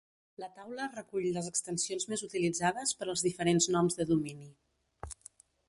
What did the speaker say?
La taula recull les extensions més utilitzades per als diferents noms de domini.